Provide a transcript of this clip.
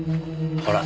ほら